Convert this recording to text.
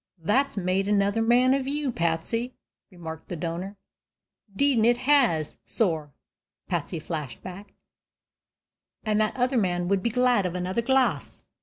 "That's made another man of you, Patsy," remarked the donor. "'Deed an' it has, sor," Patsy flashed back, "an' that other man would be glad of another glass."